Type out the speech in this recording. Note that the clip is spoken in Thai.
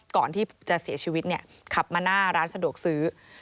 ก่อนที่จะเสียชีวิตขับมาหน้าร้านสะดวกซื้อ